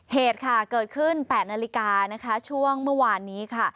เหตุค่ะเกิดขึ้น๘นาฬิกานะคะช่วงเมื่อวานนี้ค่ะ